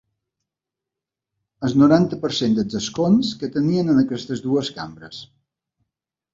El noranta per cent dels escons que tenien en aquestes dues cambres.